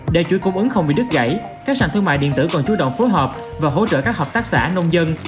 để chuỗi cung ứng không bị đứt gãy các sản thương mại điện tử còn chú động phối hợp và hỗ trợ các hợp tác xã nông dân